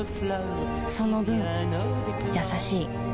その分優しい